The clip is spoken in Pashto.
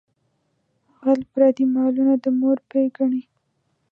غل پردي مالونه د مور پۍ ګڼي.